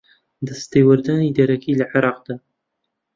دەستێوەردانی دەرەکی لە عێراقدا